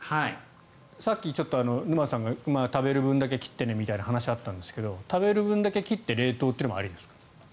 さっきちょっと沼津さんが食べる分だけ切ってねという話があったんですが食べる分だけ切って冷凍というのもありですか？